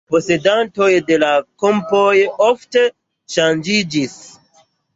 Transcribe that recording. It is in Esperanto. Posedantoj de la kampoj ofte ŝanĝiĝis.